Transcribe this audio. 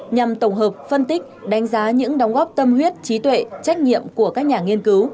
nhằm tổng hợp phân tích đánh giá những đóng góp tâm huyết trí tuệ trách nhiệm của các nhà nghiên cứu